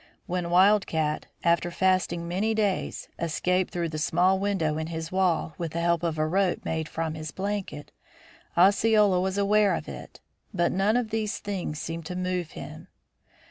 When Wild Cat, after fasting many days, escaped through the small window in his wall with the help of a rope made from his blanket, Osceola was aware of it. But none of these things seemed to move him.